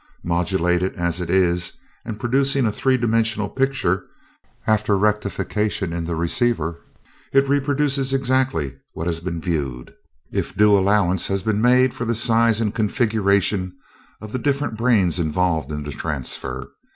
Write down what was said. Modulated as it is, and producing a three dimensional picture, after rectification in the receiver, it reproduces exactly what has been 'viewed,' if due allowance has been made for the size and configuration of the different brains involved in the transfer.